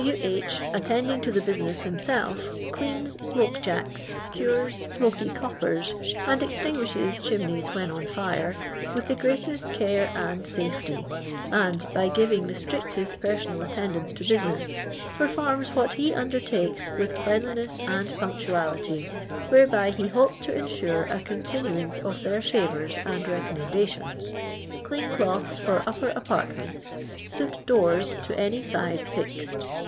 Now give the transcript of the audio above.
" W. H., attending to the business himself, cleans smoke jacks, cures smoky coppers, and ex tinguishes chimneys when on fire, with the greatest care and safety ; and, by giving the strictest personal attendance to business, performs what he undertakes with cleanliness aikd punc tuality, whereby he hopes to ensure a continuance of their favours and recommendations. "Clean cloths for upper apartments. Soot doon to any size fixed..